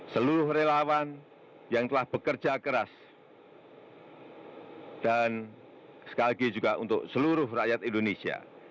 seluruh relawan yang telah bekerja keras dan sekali lagi juga untuk seluruh rakyat indonesia